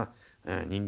人間